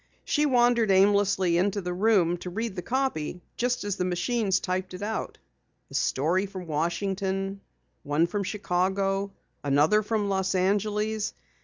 She wandered aimlessly into the room to read the copy just as the machines typed it out, a story from Washington, one from Chicago, another from Los Angeles.